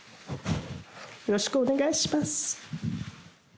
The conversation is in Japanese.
よろしくお願いします。